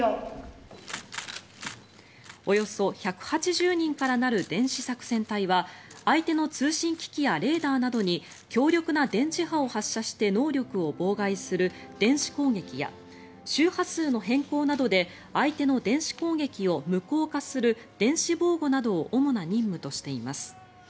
およそ１８０人から成る電子作戦隊は相手の通信機器やレーダーなどに強力な電磁波を発射して能力を妨害する電子攻撃や周波数の変更などで相手の電子攻撃を無効化する電子防護などを主な任務としています。